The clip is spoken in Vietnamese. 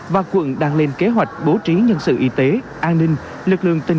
và quận đang lên kế hoạch bố trí nhân sự y tế an ninh